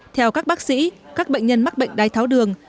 theo các bác sĩ các bệnh nhân mắc bệnh đái tháo đường